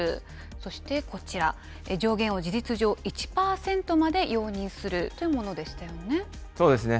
そしてこちら、上限を事実上、１％まで容認するというものでしたそうですね。